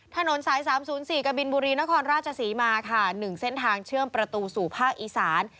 ถนนสาย๓๐๔กบินบุรีนครราชศรีมาค่ะ๑เส้นทางเชื่อมประตูสู่ภาคอีสาน